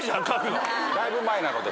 だいぶ前なので。